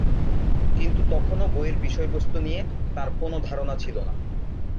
কিন্তু তখনও বইয়ের বিষয়বস্তু নিয়ে তাঁর কোনো ধারণা ছিলনা।